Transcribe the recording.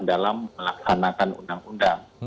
dalam melaksanakan undang undang